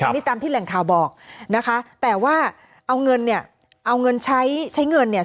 อันนี้ตามที่แหล่งข่าวบอกนะคะแต่ว่าเอาเงินเนี่ยเอาเงินใช้ใช้เงินเนี่ย